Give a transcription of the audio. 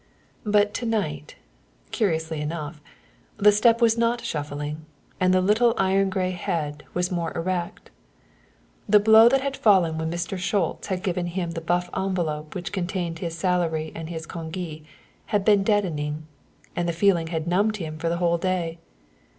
But to night, curiously enough, the step was not shuffling and the little iron grey head was more erect. The blow that had fallen when Mr. Schultz had given him the buff envelope which contained his salary and his congé had been deadening, and the feeling had numbed him for the whole day.